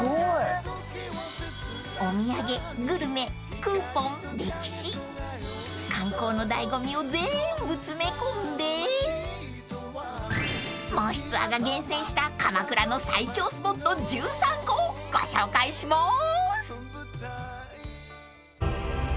［お土産グルメクーポン歴史観光の醍醐味を全部詰め込んで『もしツア』が厳選した鎌倉の最強スポット１３個をご紹介します！］